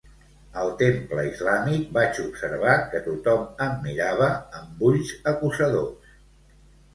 Al temple islàmic vaig observar que tothom em mirava amb ulls acusadors.